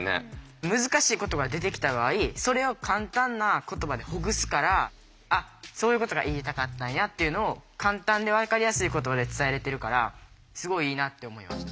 難しい言葉出てきた場合それを簡単な言葉でほぐすから「あっそういうことが言いたかったんや」っていうのを簡単でわかりやすい言葉で伝えられてるからすごいいいなって思いました。